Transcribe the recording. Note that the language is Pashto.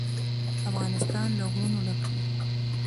افغانستان له غرونه ډک دی.